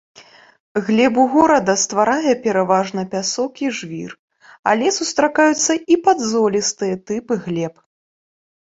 Глебу горада, стварае пераважна пясок і жвір, але сустракаюцца і падзолістыя тыпы глеб.